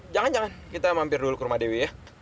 jangan jangan kita mampir dulu ke rumah dewi ya